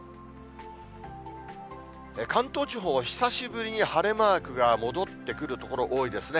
関東地方、久しぶりに晴れマークが戻ってくる所、多いですね。